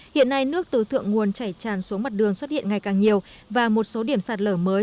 hiện nay nước từ thượng nguồn chảy tràn xuống mặt đường xuất hiện ngày càng nhiều và một số điểm sạt lở mới